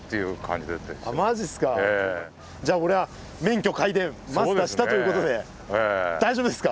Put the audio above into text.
じゃあ俺は免許皆伝マスターしたということで大丈夫ですか？